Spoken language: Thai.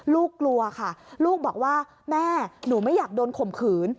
กลัวค่ะลูกบอกว่าแม่หนูไม่อยากโดนข่มขืน